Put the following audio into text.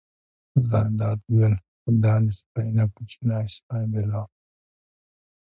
زرداد وویل: خو دا له سپۍ نه کوچنی سپی بېلول.